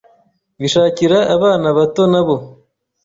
bishakira abana bato nabo.”